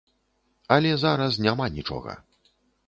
Але зараз няма нічога.